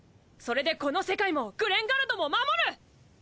それでこの世界もグレンガルドも守る！